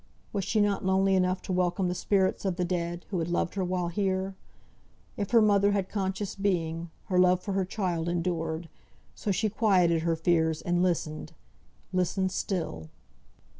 Was she not lonely enough to welcome the spirits of the dead, who had loved her while here? If her mother had conscious being, her love for her child endured. So she quieted her fears, and listened listened still.